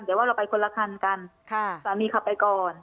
เดี๋ยวว่าเราไปคนละครกันค่ะสามีขับไปก่อนค่ะ